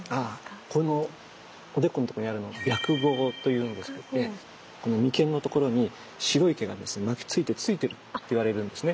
このおでこのところにあるのは「白毫」というんですけどこの眉間のところに白い毛が巻きついてついてるっていわれるんですね。